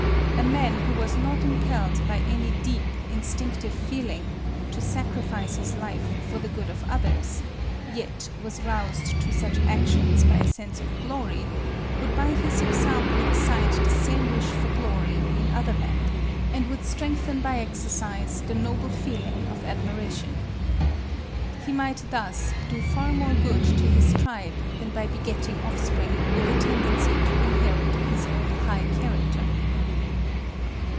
A man who was not impelled by any deep, instinctive feeling, to sacrifice his life for the good of others, yet was roused to such actions by a sense of glory, would by his example excite the same wish for glory in other men, and would strengthen by exercise the noble feeling of admiration. He might thus do far more good to his tribe than by begetting offspring with a tendency to inherit his own high character.